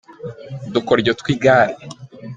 Udukoryo tw’igare